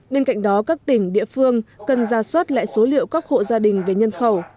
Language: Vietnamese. bên cạnh đó các tỉnh địa phương cần ra soát lại số liệu các hộ gia đình về nhân khẩu